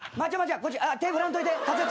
あっ手振らんといて。